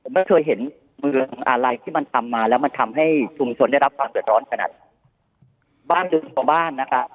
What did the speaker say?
ไม่เคยเห็นเมืองอะไรที่มันทำมาแล้วมันทำให้ชุมชนได้รับความเดือดร้อนขนาดบ้านเรือนชาวบ้านนะครับ